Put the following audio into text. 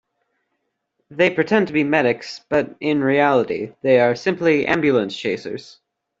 They pretend to be medics, but in reality they are simply ambulance chasers.